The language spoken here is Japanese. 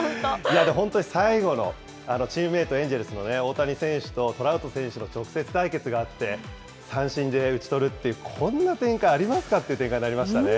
本当に最後のチームメート、エンジェルスのトラウト選手の直接対決があって、三振で打ち取るっていう、こんな展開ありますかって展開になりましたね。